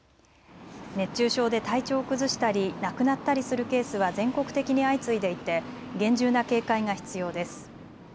熱中症で体調を崩したり亡くなったりするケースは全国的に相次いでいて厳重な警戒が必要です。